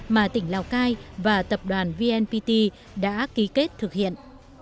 mà tỉnh lào cai và tập đoàn vnpt đã ký kết thực hiện